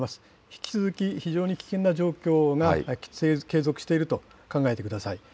引き続き非常に危険な状況が継続していると考えてください。